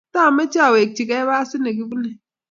taameche awekchikei pasi nekipunei